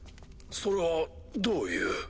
それはどういう。